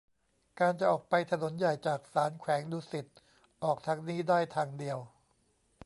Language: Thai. การจะออกไปถนนใหญ่ จากศาลแขวงดุสิต ออกทางนี้ได้ทางเดียว